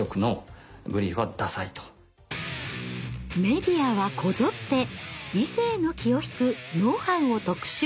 メディアはこぞって異性の気を引くノウハウを特集。